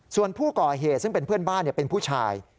ส่วนผู้ก่อเหตุซึ่งเป็นเพื่อนบ้านเป็นผู้ชาย